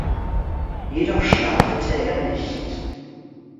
Jedoch startete er nicht.